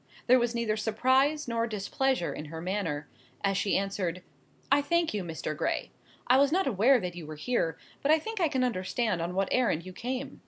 There was neither surprise nor displeasure in her manner, as she answered—"I thank you, Mr. Gray. I was not aware that you were here, but I think I can understand on what errand you came.